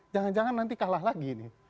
jangan jangan nanti kalah lagi nih